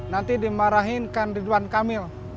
nanti dimarahinkan ridwan kamil